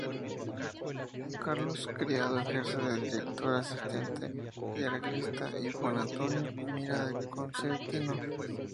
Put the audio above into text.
Carlos Criado ejerce de director asistente y arreglista, y Juan Antonio Mira de concertino.